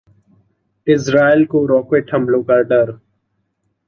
Israel को और rocket हमलों का डर